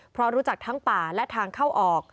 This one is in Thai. เพราะรู้จักทั้งป่าและทางเข้าออก